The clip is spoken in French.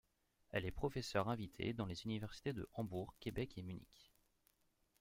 Elle est professeure invitée dans les universités de Hambourg, Québec et Munich.